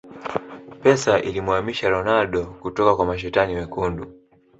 Pesa ilimuhamisha Ronaldo kutoka kwa mashetani wekundu